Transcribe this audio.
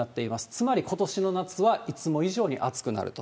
つまりことしの夏はいつも以上に暑くなると。